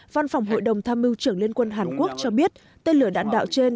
văn phòng hội đồng tham mưu trưởng liên quân hàn quốc cho biết tên lửa đạn đạo trên